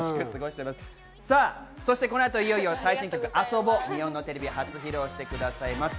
そしてこの後いよいよ最新曲『ＡＳＯＢＯ』日本のテレビ初披露してくださいます。